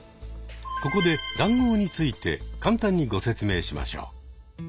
ここで談合について簡単にご説明しましょう。